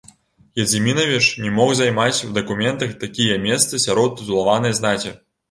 Гедзімінавіч не мог займаць у дакументах такія месцы сярод тытулаванай знаці.